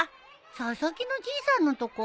佐々木のじいさんのとこ？